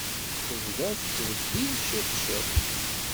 Tebda tettbeddil ciṭ ciṭ.